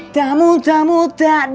cuman kita siapkan